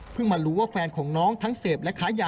เพิ่งมารู้ว่าแฟนของน้องทั้งเสพ